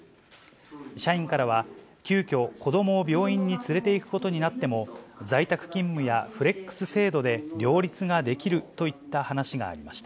社員からは、急きょ、子どもを病院に連れていくことになっても、在宅勤務やフレックス制度で両立ができるといった話がありました。